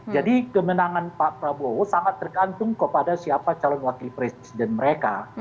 jadi kemenangan pak prabowo sangat tergantung kepada siapa calon wakil presiden mereka